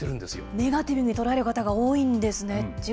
ネガティブに捉える方が多いんですね。